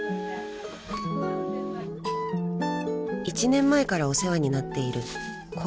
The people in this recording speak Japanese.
［１年前からお世話になっている］